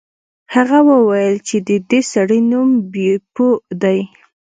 هغه وویل چې د دې سړي نوم بیپو دی.